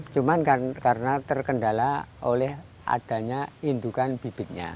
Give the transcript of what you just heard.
cuma karena terkendala oleh adanya indukan bibitnya